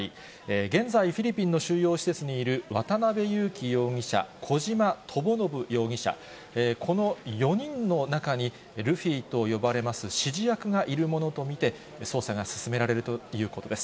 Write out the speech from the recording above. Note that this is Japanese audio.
現在、フィリピンの収容施設にいる渡辺優樹容疑者、小島智信容疑者、この４人の中にルフィと呼ばれます指示役がいるものと見て、捜査が進められるということです。